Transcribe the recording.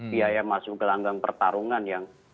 biaya masuk ke langgang pertarungan yang